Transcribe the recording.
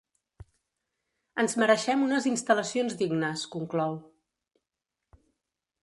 “Ens mereixem unes instal·lacions dignes”, conclou.